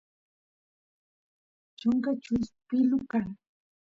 chunka lluspilu kan